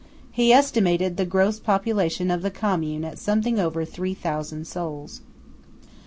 He estimated the gross population of the Commune at something over 3000 souls.